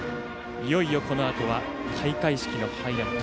いよいよ、このあとは開会式のハイライト。